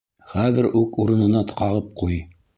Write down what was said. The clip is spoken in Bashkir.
Хәҙер үк урынына ҡағып ҡуй!